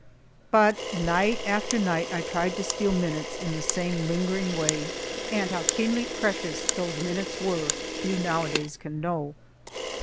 But night after night I tried to steal minutes in the same lingering way, and how keenly precious those minutes were, few nowadays can know.